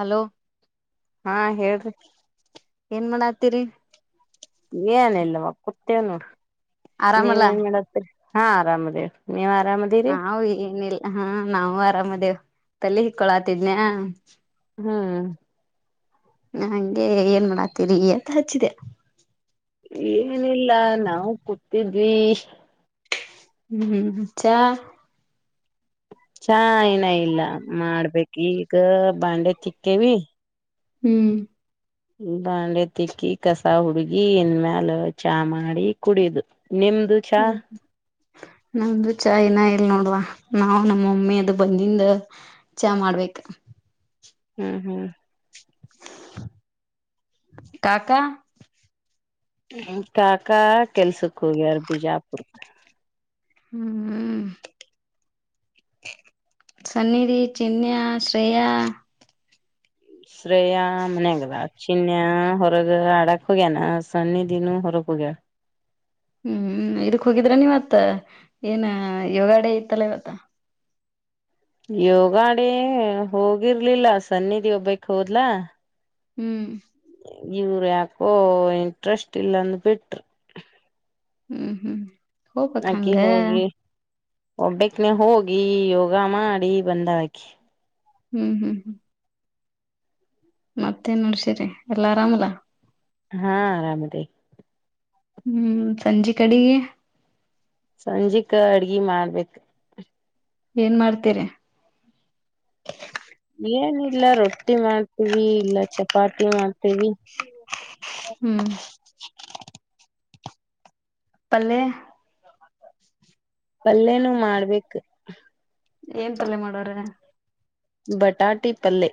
Hello ಹಾ ಹೇಳ್ರಿ ಏನ್ ಮಾಡಾತ್ತೀರಿ ಏನ ಇಲ್ಲವ ಕತೇವ ನೋಡ ನೀವ ಆರಾಮಲ್ಲಾ ಏನ್ ಮಾಡ ಹಾ ಆರಾಮದೇವ ನೀವ್ ಆರಾಮ ನಾವವು ಏನಿಲ್ಲ ಹಾ ನಾವು ಆರಾಮದೇವ್ ತಲೆ ಹಿಕ್ಕೊಳಾತಿದ್ನ ಹ್ಮ್ ನಂಗೆ ಏನ್ ಮಾಡತೀರಿ ಅಂತ ಹಚ್ಚಿದೆ ಏನಿಲ್ಲ ನಾವು ಕೂತಿದ್ವಿ ಹ್ಮ್್ಮ್ ಚಾ ಚಾ ನ ಇಲ್ಲ ಮಾಡ್ಬೇಕು ಈಗ ಬಾಂಡೆ ತಿಕ್ಕೇವಿ ಹ್ಮ್ ಬಾಂಡೆ ತಿಕ್ಕಿ ಕಸ ಹುಡುಗಿ ಇನ್ ಮ್ಯಾಲ ಚಾ ಮಾಡಿ ಕುಡಿಯುದು ನಿಮ್ದು ಚಾ ಹ್ಮ್ ಹ್ಮ್ ನಮ್ದು ಚಾಯ್ನಾ ಎಲ್ ನೋಡುವ ನಾವವು ನಮ್ಮ ಮಮ್ಮಿ ಅದು ಬಂದಿಂದ ಚಾ ಮಾಡ್ಬೇಕ ಹ್ಮ್ ಹ್ಮ್ ಕಾಕಾ ಕಾಕಾ ಕೆಲ್ಸಕ್ ಹೋಗ್ಯಾರ ಬಿಜಾಪುರ್ ಹ್ಮ್ ಸನ್ನಿಧಿ ಚಿನ್ಯ ಶ್ರೇಯಾ ಶ್ರೇಯ ಮನ್ಯಾಗದ ಚಿ ಹೊರಗ ಅಡಕೊಗಾನ ಸಣ್ಣಿ ದಿನು ಹೊರಕಗ್ಯೊಗಾರ ಹ್ಮ್ ಇದಕ್ ಹೋಗಿದ್ರ ನೀವತ್ ಏನ್ ಯೋಗಾಡೆ ಇತ್ತಲ್ಲ ಇವತ್ತ ಯೋಗಾಡ ಹೋಗಿರ್ಲಿಲ್ಲ ಸನ್ನಿಧಿ ಒಬ್ಬಕ್ ಹೋದ್ಲ ಹ್ಮ್ ಇವರು ಯಾಕೋ ಇಂಟ್ರೆಸ್ಟ್ ಇಲ್ಲಂದ ಬಿಟ್ರ ಹ್ಮ್ ಹ್ಮ್ ಹೋಗ್ಬಕ್ ಅಕಿ ಹಂಗ ಹೋಗಿ ಒಬ್ಬಕ್ನೆ ಹೋಗಿ ಯೋಗ ಮಾಡಿ ಬಂದಾಳಕೆ ಹ್ಮ್ ಹ್ಮ್ ಹ್ಮ್ ಮತ್ತೇನ್ ನಡ್ಸಿರಿ ಎಲ್ಲ ಆರಾಮಲ್ಲಾ ಹಾ ಆರಾಮ ಇದೇವಿ ಹ್ಮ್ ಸಂಜೆ ಕಡಿಗೆ ಸಂಜೆಕ ಅಡ್ಗಿ ಮಾಡ್ಬೇಕ ಏನ್ ಮಾಡ್ತೀರಿ ಏನಿಲ್ಲ ರೊಟ್ಟಿ ಮಾಡ್ತೀವಿ ಇಲ್ಲ ಚಪಾತಿ ಮಾಡ್ತೀವಿ ಹ್ಮ್ ಪಲ್ಲೆ ಪಲ್ಲೇನೂ ಮಾಡ್ಬೇಕ ಏನ್ ತಲೆ ಮಾಡವರೆ ಬಟಾಟಿ ಪಲ್ಲೆ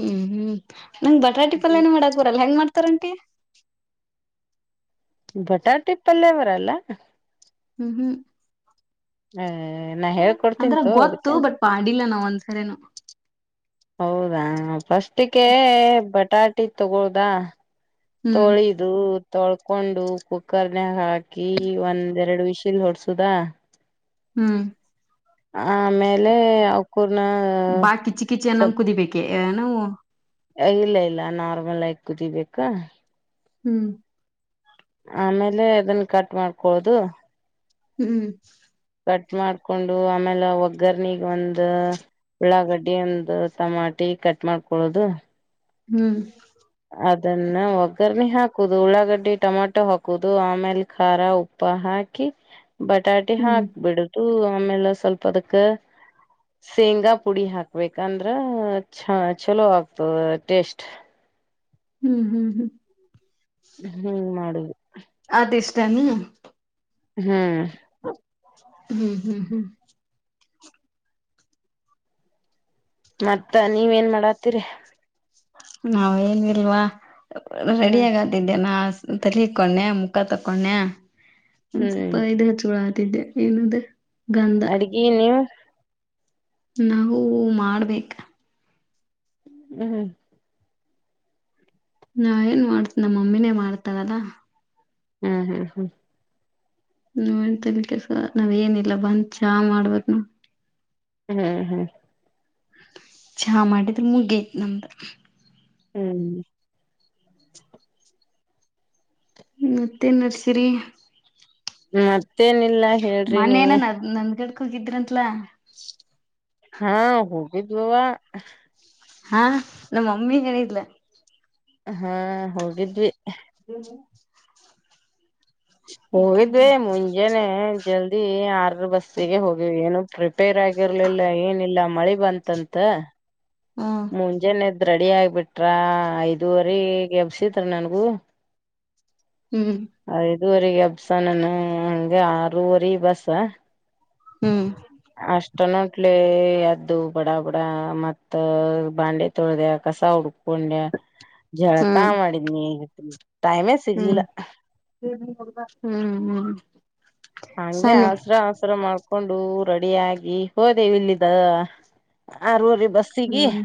ಹ್ಮ್ ಹ್ಮ್ ನಂಗ್ ಬಟಾಟಿ ಪಲ್ಯನ ಮಾಡಕ್ ಬರಲ್ಲ ಹೆಂಗ್ ಮಾಡ್ತಾರಂಟಿ ಬಟಾಟಿ ಪಲ್ಯ ಬರಲ್ಲ ಹ್ಮ್ ಹ್ಮ್ ಹ ನ ಹೇಳ್ ಅಂದ್ರ ಗೊತ್ತು ಬಟ್ ಮಾಡಿಲ್ಲ ನಾನ ಒಂದ್ಸರಿನು ಹೌದಾ ಫಸ್ಟಿಗೆ ಬಟಾಟಿ ತಗೋದಾ ಹ್ಮ್ ತೋಳಿ ಅದು ತೊಳ್ಕೊಂಡು ಕುಕ್ಕರ್ನಾಗ ಹಾಕಿ ಒಂದ್ರಡು ವಿಸಿಲ್ ಹೊಡ್ಸುದಾ ಹ್ಮ್ ಆಮೇಲೆ ಅವಕೂರ್ನ ಬಾ ಕಿಚ್ಚಿ ಕಿಚ್ಚಿ ಅನ್ನಂಗ್ ಸ್ವಲ್ ಕುದಿಬೇಕೆ ನವು ಇಲ್ಲ ಇಲ್ಲ ನಾರ್ಮಲ್ ಆಗ ಕುದಿಬೇಕಾ ಹ್ಮ್ ಆಮೇಲೆ ಅದನ್ನ ಕಟ್ ಮಾಡಓದು ಹ್ಮ್ ಕಟ್ ಮಾಡ್ಕೊಂಡು ಆಮೇಲೆ ಒಗ್ಗರ್ನಗ್ ಒಂದ ಉಳ್ಳಾಗಡ್ಡಿ ಒಂದು ಟಮಾಟಿ ಕಟ್ ಮಾಡ್ಕೊಳ್ಳೋದು ಹ್ಮ್ ಅದನ್ನ ಒಗ್ಗರ್ರಣೆ ಹಾಕುದು ಉಳ್ಳಾಗಡ್ಡಿ ಟೊಮಾಟೊ ಹಾಕುದು ಆಮೇಲೆ ಖಾರ ಉಪ್ಪ ತಪ್ಪ ಹಾಕಿ ಬಟಾಟೆ ಹ್ಮ್ ಹಾಕ್ಬಿಡದು ಆಮೇಲೆ ಸ್ವಲ್ಪ ಅದಕ್ಕ ಶೇಂಗಾ ಪುಡಿ ಹಾಕ್ಬೇಕಂದ್ರ ಚ ಚಲೋ ಆಗ್ತದ ಟೇಸ್ಟ್ ಹ್ಮ್ ಹ್ಮ್ ಹ್ಮ್ ಹ್ಮ್ ಮಾಡುದು ಅದು ಇಷ್ಟ ನ ಹ್ಮ್ ಹ್ಮ್ ಹ್ಮ್ ಹ್ಮ್ ಮತ್ತ ನೀವೆನ್ ಮಾಡಾತ್ತೀರಿ ನಾವೇನ್ಲ್ವಾ ರೆಡಿ ಹ್ಮ್ ಆಗಾದ ದ್ದೇನಾ ತಲಿಕೊಂಡೆ ಮುಖ ತಕೊಂಡೆ ಒಂದ್ ಹ್ಮ್ ಸ್ವಲ್ಪ ಇದ ಚೋಳ ತಿದ್ದೆ ಏನಂದೆ ಅಡ್ಗಿ ನೀವು ನಾವು ಮಾಡ್ಬೇಕ ಹ್ಮ್್ಮ ನಾ ಏನ್ ಮಾಡ್ತ ನಮ್ಮ ಮಮ್ಮಿನೇ ಮಾಡ್ತಾರಲ್ಲಾ ಹ್ಮ್ ಹ್ಮ್ ಹ್ಮ್ ಹ ಏನ ತಲಿ ಕೇಡಸಕೊಳಲ ನಾವ್ ಏನಿಲ್ಲ ಬಂದ್ ಚಾ ಮಾಡ್ಬಕ ನೋಡ ಹ್ಮ್ ಹ್ಮ್ ಚಾ ಮಾಡಿದ್ರೆ ಮುಗತ್ ನಮ್ದ [inaudible] ಮತ್ತೆ ಏನ್ ನಡಸೀರಿ ಮತ್ತೆ ನಿ ಮನೆ ನ್ ನಂದ್ಗಡ್ಕ್ ಹೋಗಿದ್ರಂತ್ಲ ಹಾ ಹೋಗಿದ್ದವವ ಹಾ ನಮ್ಮ ಮಮ್ಮಿ ಹೇಳಿದ್ಲ ಹಾ ಹೋಗಿದ್ವಿ ಹ್ಮ್ಮ ಹೋಗಿದ್ವಿ ಮುಂಜೇಾನನೆ ಜಲ್ದಿ ಆರ ಬಸ್ಸಿಗೆ ಹೋಗಿವ ಏನು ರಿಪೇರ್ ಆಗಿರ್ಲಿಲ್ಲ ಏನಿಲ್ಲ ಮಳಿ ಬಂತಂತ ಹ್ಮ್ ಮಜಜೆನದ್ ರೆಡಿ ಆಗ್ಬಿಟ್ರ ಐದುವರೆ ಎಬ್ಸತ್ ನನ್ಗೂ ಹ್ಮ್ ಐದುವರೆಗೆ ಅಬ್ಸ ನನ್ ಹಂಗಗೆ ಆರೂವರಿ ಬಸ ಹ್ಮ್ ಅಷ್ಟನ್ಂಟ್ಲಿ ಯದ್ದು ಬಡ ಬಡ ಮತ್ ಬಾಂಡೆ ತೊಳ್ದ ಕಸ ಹುಡುಕ್ ಪುಂಡ್ಯ ಜಳಕಾ ಹ್ಮ್ ಮಾಡಿದ ನೀ ೈಮೇ ಹ್ಮ್ ಹ್ಮ್ ಹ್ಮ್ ಹಗೆ ಸನ್ನೆ ಹಸರ ತ್ರ ಮಾಡ್ಕೊಂಡು ರೆಡಿ ಆಗಿ ಹೋದೆೇ ಇಲ್ಲಿಿದ ಆರೂರಿ ಬಸ್ ಸಿಗಿ ಹ್ಮ್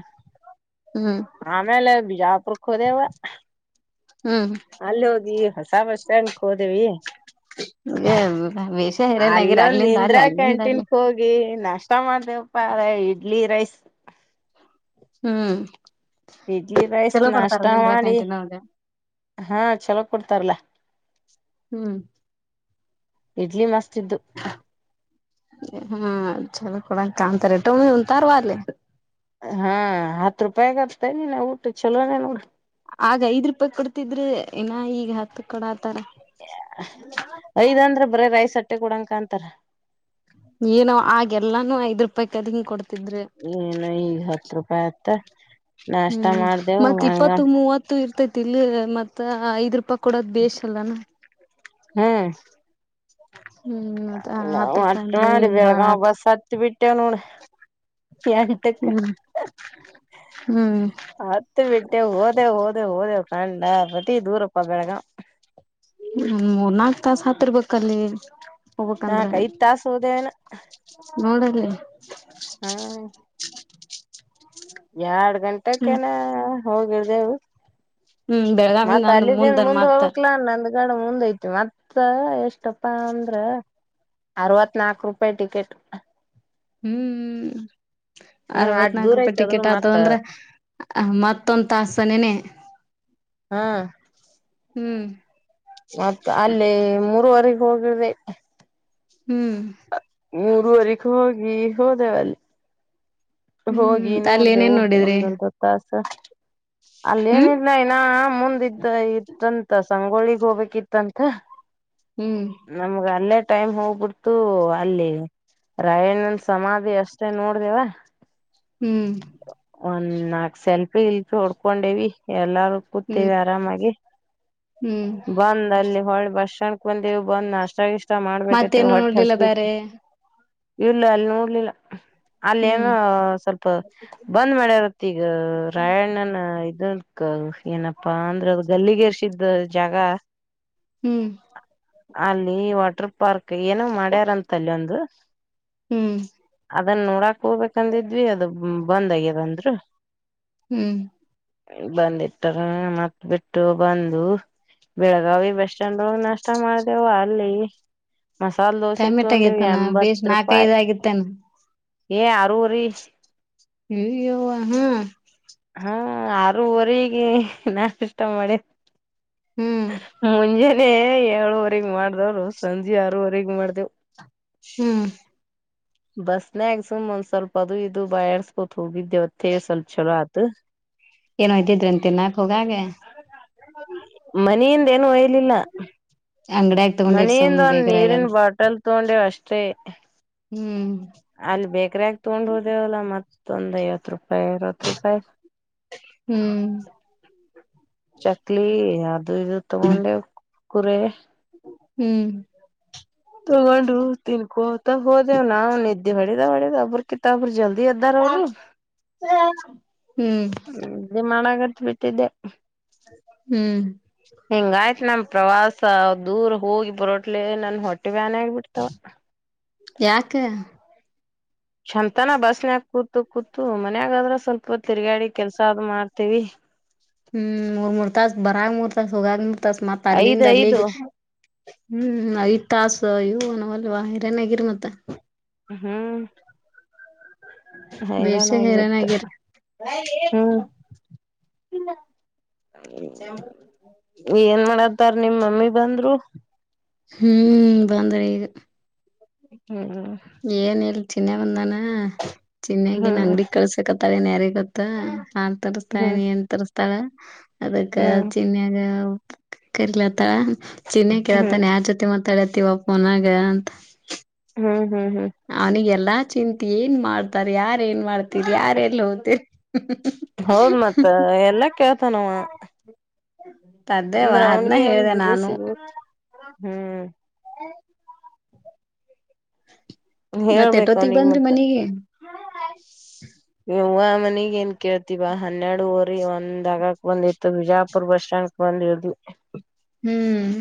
ಹ್ಮ್ ಆಮೇಲೆ ಬಿಜಾಪುರಕ್ಕೆ ಹೋದೆೇವ ಹ್ಮ ಅಲ್ಲಿ ಹೋಗಿ ಹೊಸ ಬಸ್ ಸ್ಟ್ಯಾಂಡ್ಕ್ ಹೋದೇವಿ ವೇಷ ಹೈರಾಣ ಆಗಿರ ಅಲ್ಲೊಂದ ಅಲ್ಲಿಂದ ಇಂದ್ರ ಅಲ್ಲಿ ಅಲ್ಲಿಂದ ಅಲ್ಲಿ ಕ್ಯಾಂಟೀನ್ಕ್ ಹೋಗಿ ನಷ್ಟ ಟಮಾಟೆಪ್ಪ ಇಡ್ಲಿ ರೈಸ್ ಹ್ಮ್ ಇಡ್ಲಿ ರೈಸ್ ಚಲೋ ಕೊಡ್ತಾರ ನಾಷ್ಟ ನಿಂದ್ರ ಮಾಡಿ ಕ್ಯಾಂಟೀನ್ ಒಳಗ ಹಾ ಚಲೋ ಕೊಡ್ತಾರಲ್ಲ ಹ್ಮ್ ಇಡ್ಲಿ ಮಸ್ತ್ ಇದ್ದು ಹ್ಮ ಚಲೋ ಕೂಡ ಕಾಂತಾರೇಟೋ ಉಂಂತಾರ ವರ್ಲ ಹಾ ಹತ್ತು ರೂಪಾಯಿರ್ತ ನೀ ಊಟ ಚಲೋನ ನೋಡಿ ಆಗ ಐದ್ ರೂಪಾಯಿ ಕೊಡ್ತಿದ್ರೆ ಏನ ಈಗ ಹತ್ತು ಕೊಡ ಆತರ ಐದ್ ಅಂದ್ರೆ ಬರೇ ರೈಸ್ ಅಟ್ಟೆ ಕೊಡಂಕ ಅಂತಾರ ಏನು ಆ ಎಲ್ಲಾನ ಐ್ ರೂಪಾಯಿಕ್ದಿಂಗ ಕೊಡ್ತ ತಿಂದ್ರೆ ಏನ ಈಗ ಹತ್ ರೂಪಾಯಿ ಆತ್ತ ನಾಷ್ಟ ಹ್ಮ್ ಮಾಡ್ದೇವು ಮತ್ತ ಹಂಗ ಇಪ್ಪತ್ತು ಮೂವತ್ತು ಇರ್ತೈತಿ ಇಲ್ಲಿ ಮತ್ತ ಐದ್ ರೂಪಾಯಿ ಕೊಡೋದ್ ಬೇಷ್ ಅಲ್ಲನಾ ಹಾ ಹ್ಮ್ ಮತ್ತ ನ ಹತ್ ರೂಪಾಯಿ ಮಟ ಅಂದ್ರ ಮಾಡಡಿ ಏನ್ ಬೆಳಗ ಬಾಳ ಬ ಆತ ಸತ್ತ ಬಿಿಟ್ಟನಡ ಯತಕ್ಕ ಹ್ಮ್ ಹ್ಮ್ ಆ ಹತ್ ಬಿಟ್ಟೆ ಹೋದೆ ಹೋದೆ ಹೋದೆವ್ ಕಂಡ ಬಟ್ಟಿ ದೂರಪ್ಪ ಬೆಳಗ ಹ್ಮ ಮೂರ್ ನಾಲ್ಕ್ ತಾಸ ಹತ್ತಿರ್ಬೇಕಲ್ಲಿ ಹೋಗಕ್ಂದ್ರೆ ನಾಕ್ ಐದ್ ತಾಸ ಹೋದೇವನ ನೋಡಲ್ಲಿ ಹಾ ಎರಡ್ ಹ್ಮ್ ಗಂಟಕನಾ ಹೋಗಿರ್ದೆವು ಹ್ಮ್ ಬೆಳಗಾವಿಂದ ಮತ್ತ ಅಂದ ಅಲ್ಲಿದ್ದೀನ್ ಮುಂದನ್ ಮುಂದ್ ಮತ್ತ ಹೋಗಕ್ಲಾ ನಂದ ಗಡ ಮುಂದ್ ಐತಿ ಮತ್ತ ಎಷ್ಟಪ್ಪಾ ಅಂದ್ರ ಅರವತ್ನಾಲ್ಕು ರೂಪಾಯಿ ಟಿಕೆಟ್ ಹ್ಮ್ ಹ್ಮ್ ಅಟ್ ಅರವತ್ನಾಕ ದೂರ ರೂಪಾಯಿ ಐತಿ ಅದನು ಟಿಕೆಟ್ ಮತ್ತ ಆತದಂದ್ರ ಆ ಮತ್ತೊಂದು ತಾಸನೇನೆ ಹಾ ಹ್ಮ್ ಮತ್ತ ಅಲ್ಲಿ ಮೂರರುವರೆಗೆ ಹೋಗಿರ್ಿದೆ ಹ್ಮ್ ಮೂರವರೆಗೆ ಹೋಗಿ ಹೋದೆವಲ್ಲಿ ಹೋಗಿ ಹ್ಮ್ ಅಲ್ಲಿ ನೋಡ್ದವು ಏನೇನ್ ನೋಡಿದ್ರಿ ಒಂದರ್ ಾಸ ಹ್ಮ್ ಅಲ್ಲೇಏನಿದಿಲ್ಲ ನ ಮುಂದ ಇದ್ದ ಇತ್ತಂತಸ ಸಂಗೋಳಿಗ್ ಹೋಗ್ಬೇಕಿತ್ತಂತ ಹ್ಮ್ ನಮ್ಗ ಅಲ್ಲೇ ಟೈಮ್ ಹೋಗ್ಬಿಡ್ತು ಅಲ್ಲಿ ರಾಯಣ್ಣನ್ ಸಮಾಧಿ ಅಷ್ಟೇ ನೋಡ್ದವ ಹ್ಮ್ ಒಂದ್ ನಾಕ್ ಸೆಲ್ಪಿ ಇಲ್ಪಿ ಹೊಡ್ಕೊಂಡೇವಿ ಎಲ್ಲಾರೂ ಹ್ಮ್ ಕೂತೇವಿ ಆರಾಮಾಗಿ ಹ್ಮ್ ಬಂದ್ ಅಲ್ಲಿ ಹೊಳೆ ಬಸ್ಣ್ಕಂದೇವು ಬಂದ್ ನಾಷ್ಟ ಇಷ್ಟ ಇ ಮಾಡ್ಬೇಕೈತಿವ ಮತ್ತೇನು ಹೊಟ್ಟು ನೋಡ್ಲಿಲ್ಲ ಹಸಬ ಬೇರೆ ಇಲ್ಲ ಅಲ್ಲಿ ನೋಡ್ಲಿಲ್ಲ ಹ್ಮ್ ಅಲ್ಲಿೇಏನೋ ಸ್ವಲ್ಪ ಬಂದ್ ಮಾಡ್ಯರುತ್ತ ಈಗ ರಾಯಣ್ಣನ ಇದು ಏನಪ್ಪಾ ಅಂದ್ರೆ ಅ ಗಲ್ಲಿಗೆೇರ್ಸಿದ ಜಾಗ ಹ್ಮ್ ಅಲ್ಲಿ ವಾಟರ್ ಪಾರ್ಕ್ ಏನ ಮಾಡ್ಯಾರಂತ ಅಲ್ಲಿ ಒಂದು ಹ್ಮ್ ಅದನ್ನ ನೋಡಕ್ ಹೋಗಬೇಕಂದಿದ್ವಿ ಅದು ಬಂದ್ ಆಗ್ಯದಂದ್ರು ಹ್ಮ್ ಬಂದಿಟ್ಟಾರ ಮತ್ ಬಿಟ್ಟು ಬಂದು ಬೆಳಗಾವಿ ಬಸ್ ಸ್ಟ್ಯಾಂಡ್ ಒಳಗ್ ನಷ್ಟ ಮಾಡ್ದವ ಅಲ್ಲಿ ಮಸಾಲೆ ದೋಸೆ ಟೈಮೆಟ್ ತೂಂಡಿ ಆಗೇತಾನ ಬೇಷ್ ಎಂಬತ್ತು ರೂಪಾಯಿ ನಾಕೈದ್ ಆಗಿತ್ತೇನ ಏ ಅರುವರಿೀ ಹ್ಯ ಹಾ ಹ್ಮ ಆರೂವರೆಗೆ ನಾಷ್ಟ ಮಾಡಿವೆ ಹ್ಮ್ ಮುಂಜಾನೆ ಏಳುವರೆಗ್ ಮಾಡ್ದವರು ಸಂಜೆ ಆರವರೆಗ ಮಾಡ್ದೇವು್. ಹ್ಮ್. ಬಸ್ನ ಆಗಸುಮ್ ಒಂದ್ ಸ್ವಲ್ಪ ಅದು ಇದು ಬಯರ್ಸ್ಕೊ ಹೋಗಿದ್ದೇವತ್ತೇಳ ಸ್ವಲ್ಪ ಚಛಲೋ ಆತ ಏನೋ ಇದ್ದಿದ್ರೆ ಅಂತೆ ನಾಕ ಹೋಗಾಗ ಮನೆಯಿಂದ ಏನು ಒಯ್ಲಿಲ್ಲ ಅಂಗಡ ಮನೆಯಿಂದ ಒಂದ್ ನೀರಿನ ಬಾಟಲ್ ತಗೊಂಡೆ ಅಷ್ಟೇ ಹ್ಮ್ ಅಲ್ಲಿ ಬೇಕ್ರಕ ತಗೊಂಡ್ ಹೋದೆೇವಲ್ಲ ಮತ್ತೊಂದ್ ಐವತ್ತು ರೂಪಾಯಿ ಅರವತ್ ರೂಪಾಯಿ ಹ್ಮ್ ಚಕ್ಲಿ ಅದು ಇದು ತಗೊಂಡೆ ಕುರೆ ಹ್ಮ್ ತಗೊಂಡು ತಿನ್ಕೋತಾ ಹೋದೆವ್ ನಾವ್ ನಿದ್ದ್ದೆ ಹೊಡದ ಹೊಡ್ಯದ ಬರ್ ಜಲ್ದಿ ಎದ್ದರು ಅವ್ರು ಹ್ಮ್ ನಿಮ್ ಅನೆಗತು ಬಿಟ್ಟಿದ್ದೆ ಹ್ಮ್. ಹಿಂಗಯ್ತ್ ನಮ್ ಪ್ರವಾಸ ದೂರ ಹೋಗಿ ಬರೋಟ್ಲಿ ನನ್ ಹೊಟ್ಟಿ ವ್ಯಾನ ಆಗಬ ಬಿಡ್ತಾವ. ಯಾಕ. ಚಂದನ ಬಸ್ನ್ಯಾಗ ಕೂತು ಕೂತು ಮನ್ಯಾಗಾದ್ರ ಸ್ವಲ್ಪ ತಿರ್ಗಾಡಿ ಕೆಲ್ಸ ಅ್ ಮಾಡ್ತವಿ. ಹ್ಮ್ ಮೂರ್ ಮೂರ್ ತಾಸ ಬರಾಗ ಮೂರ್ ತಾಸ ಹೋಗಾಗ ಮೂರ್ ತಾಸ ಮತ್ತತ್ ಐದ್ ಅಲ್ಲಿಂದ ಐದು ಅಲ್ಲಿಗೆ ಹ್ಮ್ ಐತ್ ತಾಸು ಇವು ನ್ಲ್ವಾ ಹಿರ್ಯನ್ ಆಗಿರ್ ಮತ್ತ ಹ್ಮ್ ಬೇಡ್ಸ ಹೈರಾಣ ಆಗ್ಬಿಡ್ತ ಹೇರನ್ಗರ ಹ್ಮ್ ಏನ್ ಮಾಡತ್ತಾರ ನಿಮ್ಮ್ ಮಮ್ಮಿ ಬಂದ್ರು ಹ್ಮ್ ಬಂದ್ರಿ ಈಗ ಹ್ಮ್ ಏನ್ ಇಲ್ ಚಿನ್ನನೆ ಬಂದಾನ ಚಿನ್ನನೆಾಗನ್ ಹ್ಮ್ ಅಂಗಡಿ ಕಳ್ಸ ಸಿಕತಾಳೆನ್ ಯಾರಿ ಗೊತ್ತಾ ನಾನ್ ತರಿಸಸ್ತಾಳೆ ಹ್ಮ್ ನೀ ಏನ್ ತರಿಸಸ್ತಾಳ ಅದಕ್ಕ ಹ್ಮ್ ಚಿನ್ನಯಾಗ ಕರಿಲತ್ತ ಚಿನ್ನಾಗ ಹ್ಮ್ ಕೆಲತ್ತನ್ ಯಾರ ಜೊತೆ ಮತ್ತ ತಡೆತಿೀವಪ್ಪನಾಗ ‌ಅಂತ ಹ್ಮ್ ಹ್ಮ್ ಹ್ಮ್ ಅವ್ನಿಗೆಲ್ಲಾ ಚಿಂತ ಏನ್ ಮಾಡ್ತಾರ ಯಾರ ಏನ್ ಮಾಡ್ತರಿ ಯಾರೆ ಎಲ್ಲಿ ಹೋಗ್ತರಿ ಹೌದ್ ಮತ್ ಎಲ್ಲಾ ಕೇಳ್ತ ನವ ಅದೇವಾ ಅಂದ್ರ ಅದ್ನ ಅವನಿಗೆ ಹೇಳ್ದೆ ಒಂದು ನಾನು ಸಿಗ ಹ್ಮ್ ಮತ್ತೆ ಎಟ ಹೇಳ್ಬೇಕ ಹೊತ್ತಗ್ ಅವನಿಗ್ ಬಂದರಿ ಮತ್ತ ಮನಗೆ ಯ್ ಮನಗ ಏನ್ ಕೇಳ್ತೀವ ಹನ್ನೆರಡು ಊರಿ ಒಂದ್ ಆಗಕ್ ಬಂದಿತ್ತು ಬಿಜಾಪುರ್ ಬಸ್ ಸ್ಟ್ಯಾಂಡ್ ಒಂದಿರ್ದ ಹ್ಮ್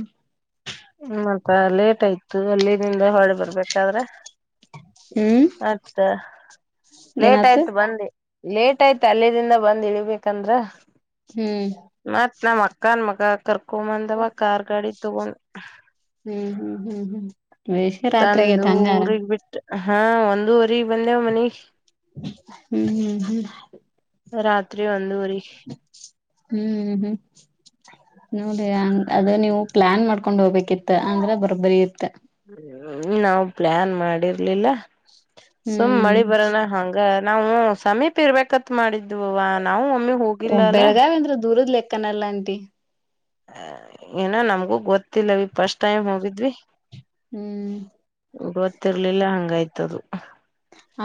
ಮತ್ತ ಲೇಟ್ ಆಯ್ತು ಅಲ್ಲಿನಂದ ಹೊಳೆ ಬರ್ಬೇಕಾದ್ರೆ ಹ್ಮ್ ಮತ್ತ ಲೇಟ್ ಏನಾತು ಆಯ್ತು ಬಂದೆ ಲೇಟ್ ಆಯ್ತ ಅಲ್ಲಿದಿಂದ ಬಂದ್ ಇಳ್ಬೇಕಂದ್ರ ಹ್ಮ್ ಮತ್ ನಮ್ ಅಕ್ಕ ಅನ್ ಮಗ ಕರ್ಕೊಂಬಂದವ ಕಾರ್ ಗಾಡಿ ತಗೊಂಡ್ ಹ್ಮ್ ಹ್ಮ್ ಹ್ಮ್ ಹ್ಮ್ ವಷ ತಂದು ರಾತ್ರಿಗತ್ ಹಂಗಾರ ಊರಿಗ್ ಬಿಟ್ಟ ಹಾ ಒಂದೂುವರಿ ಬಂದೆವ ಮನಿ ಹ್ಮ್ ಹ್ಮ್ ಹ್ಮ್ ರಾತ್ರಿ ಒಂದು ವರಿ ಹ್ಮ್ ಹ್ಮ್ ನೋಡಿಂಗ ಅದು ನೀವು ಪ್ಲಾನ್ ಮಾಡ್ಕೊಂಡ್ ಹೋಗ್ಬೇಕಿತ್ತ ಅಂದ್ರೆ ಬರ್ಬರಿ ಇತ್ತ ಹ ನಾವ್ ಪ್ಲಾನ್ ಮಾಡಿರ್ಲಿಲ್ಲ ಸುಮ್ ಹ್ಮ್ ಮಳಿ ಬರೋಣ ಹಂಗ ನಾವು ಸಮೀಪ ಇರ್ಬೇಕತ್ ಮಾಡಿದ್ವವ ನಾವು ಒಮ್ಮಿ ಹೋಗಿಲ್ಲ ಅಲ್ಲ ಬೆಳಗಾವ ಅಂದ್ರೆ ದೂರದ್ ಲೆಕ್ಕನಲ್ಲ ಅಂಟಿ ಏನೋ ನಮ್ಗೂ ಗೊತ್ತಿಲ್ಲವಿ ಫಸ್ಟ್ ಟೈಮ್ ಹೋಗಿದ್ವಿ ಹ್ಮ್ ಇವತ್ತಿರ್ಲಿಲ್ಲ ಹಂಗಾಯ್ತದು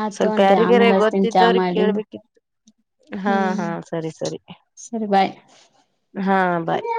ಆತು ಸ್ವಲ್ಪ ಆಂಟಿ ಯಾರಿಗ್ಯಾರ ಆಮೇಲೆ ಹಚ್ತಿನ್ ಚಾ ಗೊತ್ತಿದ್ದವ್ರಿಗೆ ಮಾಡಿಂದ ಕೇಳ್ಬೇಕಿತ್ತು ಹಾ ಹ್ಮ್ ಹಾ ಸರಿ ಸರಿ ಸರಿ ಬಾಯ್ ಹಾ ಬಾಯ್